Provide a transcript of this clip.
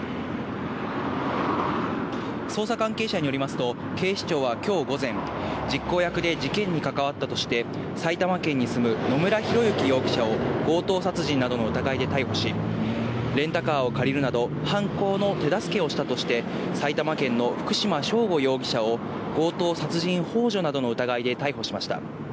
捜査関係者によりますと、警視庁はきょう午前、実行役で事件にかかわったとして、埼玉県に住む野村広之容疑者を、強盗殺人などの疑いで逮捕し、レンタカーを借りるなど、犯行の手助けをしたとして、埼玉県の福島聖悟容疑者を強盗殺人ほう助などの疑いで逮捕しました。